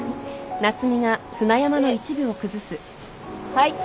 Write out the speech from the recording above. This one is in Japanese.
はい。